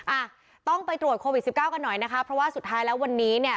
อ่ะต้องไปตรวจโควิดสิบเก้ากันหน่อยนะคะเพราะว่าสุดท้ายแล้ววันนี้เนี่ย